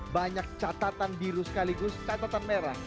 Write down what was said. banyak catatan biru sekaligus catatan merah